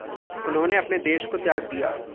उन्होंने अपने देश को त्याग दिया।